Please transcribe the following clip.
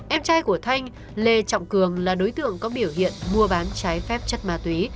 em trai của thanh lê trọng cường là đối tượng có biểu hiện mua bán trái phép chất ma túy